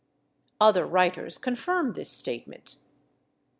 Other writers confirm this statement.